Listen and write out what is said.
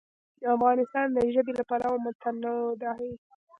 افغانستان د ژبې له پلوه متنوع دی.